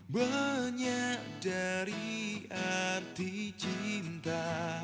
menyadari arti cinta